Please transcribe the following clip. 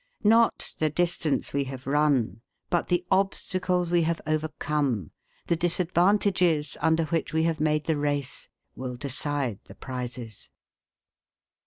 Not the distance we have run, but the obstacles we have overcome, the disadvantages under which we have made the race, will decide the prizes.